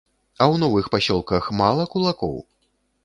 А ў новых пасёлках мала кулакоў?